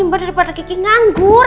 mbak daripada kiki nganggur